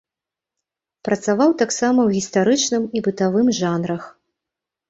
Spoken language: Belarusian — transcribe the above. Працаваў таксама ў гістарычным і бытавым жанрах.